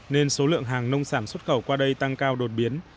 nên số lượng hàng nông sản xuất khẩu qua đây tăng cao đột biến